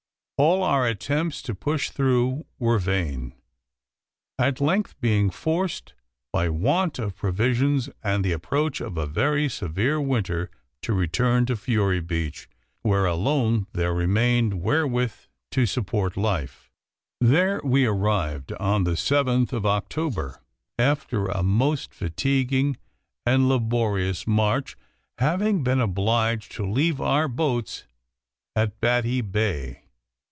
All our attempts to push through were vain; at length being forced by want of provisions and the approach of a very severe winter, to return to Fury Beach, where alone there remained wherewith to support life, there we arrived on the 7th of October, after a most fatiguing and laborious march, having been obliged to leave our boats at Batty Bay.